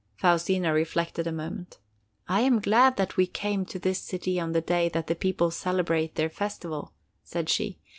Faustina reflected a moment. "I am glad that we came to this city on the day that the people celebrate their festival," said she.